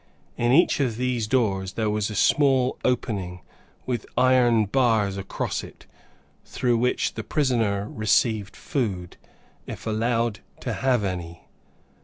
In each of these doors there was a small opening, with iron bars across it, through which the prisoner received food, if allowed to have any.